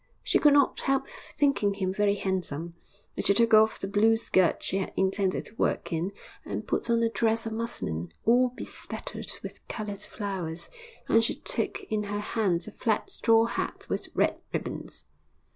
She could not help thinking him very handsome and she took off the blue skirt she had intended to work in, and put on a dress of muslin all bespattered with coloured flowers, and she took in her hand a flat straw hat with red ribbons.